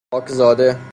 پاکزاده